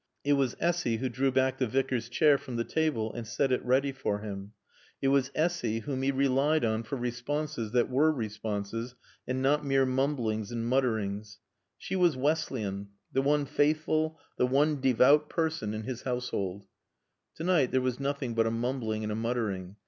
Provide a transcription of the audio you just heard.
It was Essy who drew back the Vicar's chair from the table and set it ready for him. It was Essy whom he relied on for responses that were responses and not mere mumblings and mutterings. She was Wesleyan, the one faithful, the one devout person in his household. To night there was nothing but a mumbling and a muttering.